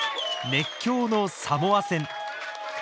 熱狂のサモア戦。